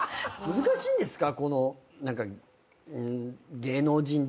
難しいんですか？